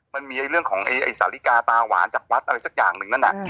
มันมีเรื่องของไอ้สาลิกาตาหวานจากวัดอะไรสักอย่างหนึ่งนั่นน่ะ